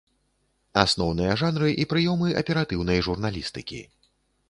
Асноўныя жанры і прыёмы аператыўнай журналістыкі.